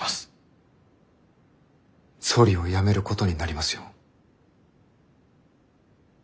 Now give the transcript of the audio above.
総理を辞めることになりますよ。